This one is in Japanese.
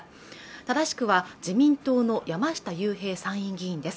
正しくは自民党の山下雄平参院議員です